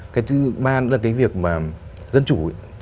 cái thứ ba là cái việc dân chủ